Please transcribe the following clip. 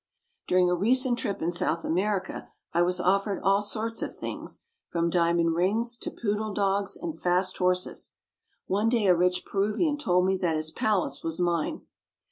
During a recent trip in South America I was offered all sorts of things, from diamond rings to poodle dogs and fast horses. One day a rich Peruvian told me that his palace was mine.